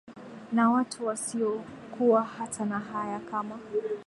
Na watu wasio kuwa hata na haya kama